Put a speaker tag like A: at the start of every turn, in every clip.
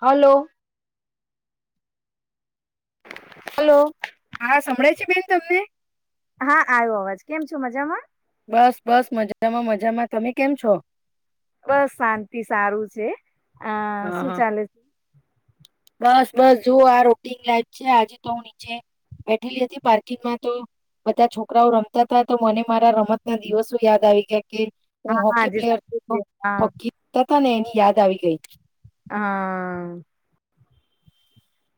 A: Hello.
B: Hello.
A: હા સંભળે છે બેન તમને.
B: હા આવ્યો અવાજ કેમ છો મજામાં.
A: બસ બસ મજામાં મજામાં તમે કેમ છો.
B: બસ શાંતિ સારું છે. આ
A: હા
B: શું
A: હા
B: ચાલે
A: બસ બસ જો આ રૂટીન લાઈફ છે આજે તો હું નીચે બેઠેલી હતી પાર્કિંગમાં તો બધા છોકરાઓ રમતા હતા તો મને મારા રમત ના દિવસો યાદ આવી ગયા કે હ
B: હા હા
A: હોકી
B: જે સાચું છે હા
A: પ્લેયર [unintelligible] ને એની યાદ આવી ગઈ.
B: હા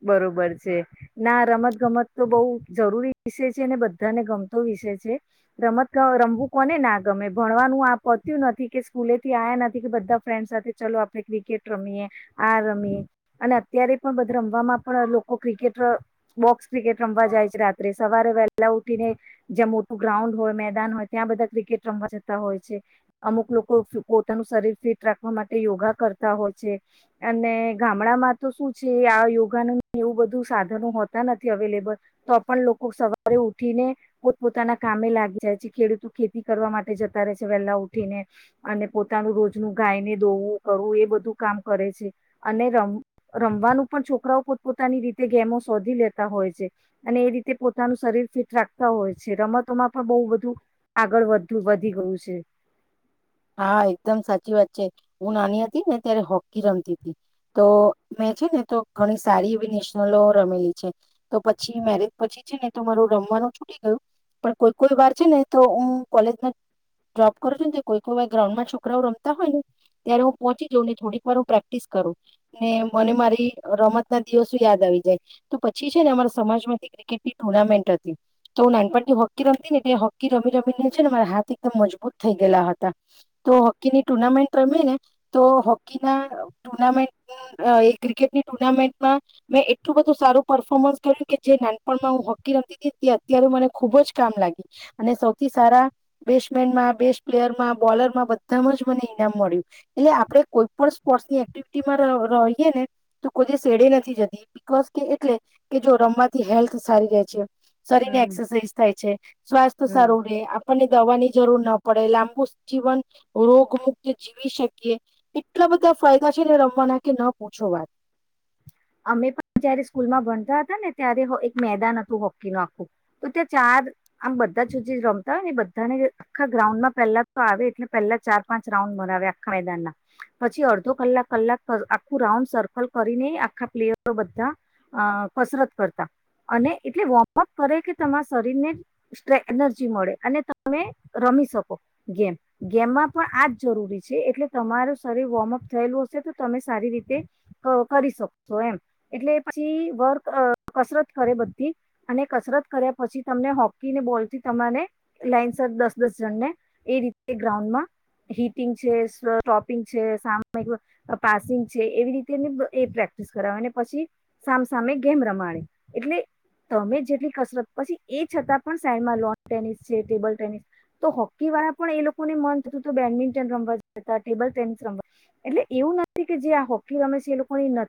B: બરોબર છે ના રમત ગમત તો બહુ જરૂરી વિષય છે અનેને બધાને ગમતો વિષય છે રમત રમવું કોને ના ગમે ભણવાનું આ પત્યું નથી કે સ્કૂલેથી આયા નથી કે બધા ફ્રેન્ડ સાથે ચલો આપે ક્રિકેટ રમીએ આ રમીએ અને અત્યારે પણ રમવામાં પણ લોકો ક્રિકેટ બોક્સ ક્રિકેટ રમવા જાય છે રાત્રે સવારે વહેલા ઉઠીને જ્યાં મોટું ગ્રાઉન્ડ હોય મેદાન હોય ત્યાં બધા ક્રિકેટ રમવા જતા હોય છે અમુક લોકો પોતાનું શરીર ફિટ રાખવા માટે યોગા કરતા હોય છે અને ગામડામાં તો શું છે કે આ યોગાનું એવું બધું સાધનો હોતા નથી અવેલેબલ તો પણ લોકો સવારે ઉઠીને પોત પોતાના કામે લાગી જાય છે ખેડૂતો ખેતી કરવા માટે જતા રહે છે વહેલા ઉઠીને અને પોતાનું રોજનું ગાયને ધોવું કરવું એ બધું કામ કરે છે અનેમ રમ રવાનું પણ છોકરાઓ પોત પોતાની રીતે ગેમો શોધી લેતા હોય છે અને એ રીતે પોતાનું શરીર ફિટ રાખતા હોય છે રમતોમાં પણ બહુ બધુ આગળ વધ વધી ગયું છે.
A: હા એકદમ સાચી વાત છે હું નાની હતી ને ત્યારે હોકી રમતી હતી તો મેં છે ને તો ઘણી સારી એવી નેશનલો રમેલી છે તો પછી મેરેજ પછી છે ને તો મારું રમવાનું છૂટી ગયું પણ કોઈ કોઈ વાર છે ને તો હું કોલેજમાં જોપ કરું છું ને કોઈ ગ્રાઉન્ડમાં છોકરાઓ રમતા હોય ને ત્યારે હું પહોંચી જઉંને થોડીક વાર હું પ્રેક્ટિસ કરું ને મને મારી રમત ના દિવસો યાદ આવી જાય તો પછી છે ને અમારા સમાજમાંથી ક્રિકેટની ટુર્નામેન્ટ હતી તો હું નાનપણથી હોકી રમતી ને એટલે હોકી રમી રમીને છે ને મારા હાથ એકદમ મજબૂત થઈ ગયેલા હતા. તો હોકીની ટુર્નામેન્ટ રમે ને તો હોકીના ટુર્નામેન્ટ એ ક્રિકેટની ટુર્નામેન્ટમાં મેં એટલું બધું સારું પર્ફોર્મન્સ કર્યું કે જે નાનપણમાં હું હોકી રમતી હતી તે અત્યારે મને ખુબ જ કામ લાગી અને સૌથી સારા બેસ્ટમેનમાં બેસ્ટ પ્લેયરમાં બોલરમાં બધામાં જ મને ઈનામ મળ્યું એટલે આપડે કોઈ પણ સ્પોર્ટ્સની એક્ટિવિટીમાં રહીએ ને તો કોઈ શેડે નથી જતી બીકોસ કે એટલે કે જો રમવાથી હેલ્થ સારી રહે છે. શરીર ને
B: હમ
A: એક્સરસાઇઝ થાય છે સ્વાસ્થ્ય
B: હમ
A: સારું રહેે આપણને દવાની જરૂર ન પડે લાંબુ જીવન રોગ મુક્ત જીવી શકીએ એટલા બધા ફાયદા છે ને રમવાના કે ન પૂછો વાત.
B: અમે પણ જયારે સ્કૂલમાં ભણતા હતા ને ત્યારે એક મેદાન હતું હોકીનું આખું તો ત્યાં ચાર આમ બધા જ રમતા હોય ને બધાને આખા ગ્રાઉન્ડમાં પહેલા તો આવે એટલે પહેલા ચાર પાંચ રાઉન્ડ બનાવે આખા મેદાનના પછી અડધો કલાક કલાક આખું રાઉન્ડ સર્કલ કરીને આખા પ્લેયરો બધા અ કસરત કરતા અને એટલે વોર્મઅપ કરે કે તમારા શરીરને સ્ટ એનર્જી મળે અને તમે રમી શકો ગેમ ગેમમાં પણ આ જ જરૂરી છે એટલે તમારું શરીર વોર્મઅપ થયેલું હશે તો તમે સારી રીતે કરી શકો. એમ એટલે પછી વર્ક કસરત કરે બધી અને કસરત કર્યા પછી તમને હોકીને બોલથી તમારે લાઈનસર દસ દસ જણ ને એ રીતે ગ્રાઉન્ડમાં કર પછી સામસામે ગેમ રમાડે એટલે તમે જેટલી કસરત પછી એ છતાં પણ સાઈડમાં લોન ટેનિસ છે ટેબલ ટેનિસ તો હોકી વાળા પણ એ લોકોને મન થતું બેડમિન્ટન રમવા જતા ટેબલ ટેનિસ રમવા એટલે એવું નથી કે જે આ હોકી રમે છે એ લોકોની ન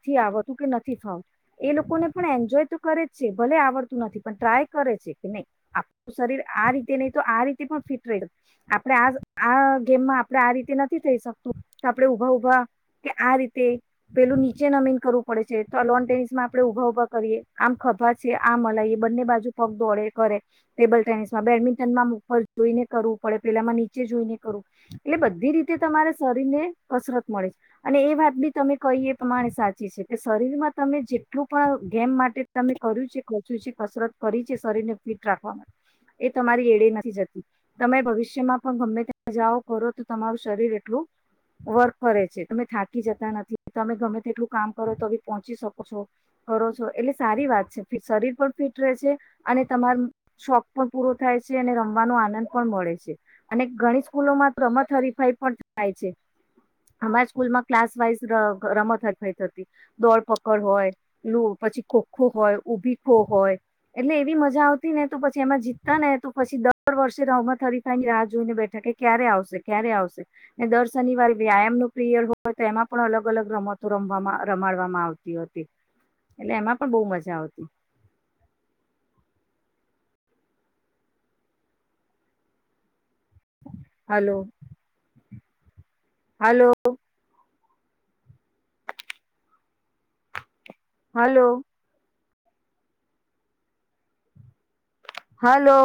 B: એ લોકોને પણ એન્જોય તો કરે જ છે ભલે આવડતું નથી પણ ટ્રાય કરે છે. કરવું પડે છે લોન ટેનિસ માં આપણે ઉભા ઉભા કરીએ આમ ખભા છે આમ મલાઈએ બંને બાજુ પગ દોડે કરે ટેબલ ટેનિસ માં બેડમિન્ટન માં ઉપર જોઈને કરવું પડે પેલામાં નીચે જોઈને કરવું એટલે બધી રીતે તમારા શરીર ને કસરત મળે છે અને કે શરીરમાં તમે જેટલું પણ ગેમ માટે તમે કર્યું છે ખોચ્યું છે કસરત કરી છે શરીરને ફિટ રાખવા માટે એ તમારી એડે નથી જતી તમે ભવિષ્યમાં પણ ગમે ત્યાં જાઓ કરો તો તમારું શરીર એટલું વર્ક કરે છે તમે થાકી જતા નથી તમે ગમે તેટલું કામ કરો તો પહોંચી શકો છો કરો છો એટલે સારી વાત છે શરીર પણ ફિટ રહે છે અને તમાર શોખ પણ પૂરો થાય છે અને રમવાનો આનંદ પણ મળે છે અને ઘણી સ્કૂલોમાં રમત હરીફાઈ પણ થાય છે અમારા સ્કૂલમાં ક્લાસ વાઈઝ રમત હરીફાઈ દોડપકડ હોય પછી ખોખો હોય ઉભી ખો હોય એટલે એવી મજા આવતી ને તો પછી એમાં જીતતા ને તો પછી દર વર્ષે રમત હરીફાયને રાહ જોઈને બેઠા કે ક્યારે આવશે ક્યારે આવશે ને દર શનિવારે વ્યાયામ નો પીરિયડ હોય તો એમાં પણ અલગ અલગ રમતો ર રમાડવામાં આવતી એટલે એમાં પણ બઉ મજા આવતી. Hello hello hello hello